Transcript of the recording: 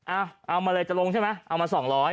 เอาเอามาเลยจะลงใช่ไหมเอามา๒๐๐